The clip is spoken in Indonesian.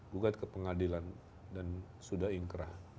gugat ke pengadilan dan sudah ingkrah